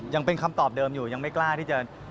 ยังเป็นคำตอบเดิมอยู่ยังไม่กล้าที่จะ